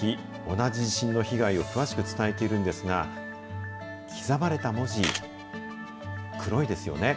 同じ地震の被害を詳しく伝えているんですが、刻まれた文字、黒いですよね。